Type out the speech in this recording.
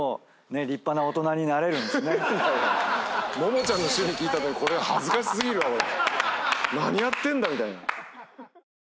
ももちゃんの趣味聞いた後にこれは恥ずかし過ぎるわ俺。